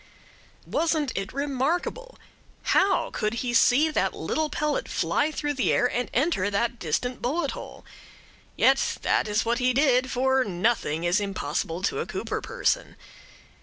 Wasn't it remarkable! How could he see that little pellet fly through the air and enter that distant bullet hole? Yet that is what he did; for nothing is impossible to a Cooper person.